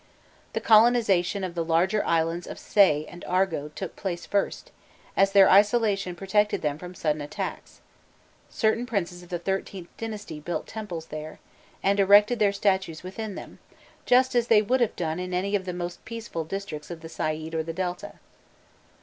The colonization of the larger islands of Say and Argo took place first, as their isolation protected them from sudden attacks: certain princes of the XIIIth dynasty built temples there, and erected their statues within them, just as they would have done in any of the most peaceful districts of the Said or the Delta.